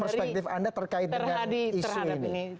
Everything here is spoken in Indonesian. perspektif anda terkait dengan isu ini